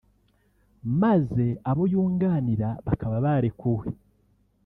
maze abo yunganira bakaba barekuwe